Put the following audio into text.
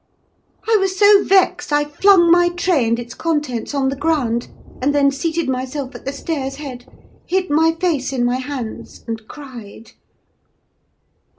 I was so vexed, I flung my tray and its contents on the ground; and then seated myself at the stairs' head, hid my face in my hands, and cried.